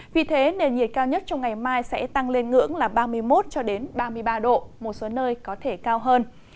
vì thế nền nhiệt cao nhất trong ngày mai sẽ tăng lên ngưỡng là ba mươi một ba mươi ba độ một số nơi có thể cao hơn